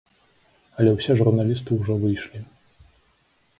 Але ўсе журналісты ўжо выйшлі.